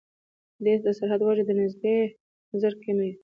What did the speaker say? د دې سر درد وجه د نزدې نظر کمی وي